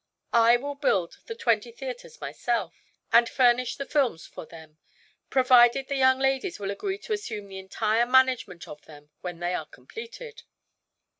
I will build the twenty theatres myself, and furnish the films for them, provided the young ladies will agree to assume the entire management of them when they are completed."